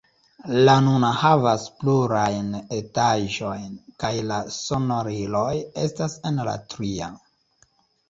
La nuna havas plurajn etaĝojn kaj la sonoriloj estas en la tria.